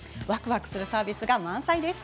ガクするサービスが満載です。